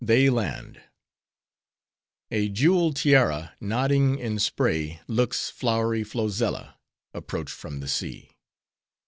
They Land A jeweled tiara, nodding in spray, looks flowery Flozella, approached from the sea.